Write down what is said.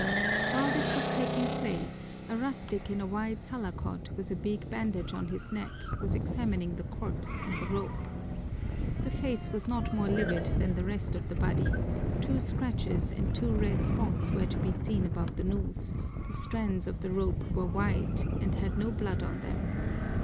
While this was taking place, a rustic in a wide salakot with a big bandage on his neck was examining the corpse and the rope. The face was not more livid than the rest of the body, two scratches and two red spots were to be seen above the noose, the strands of the rope were white and had no blood on them.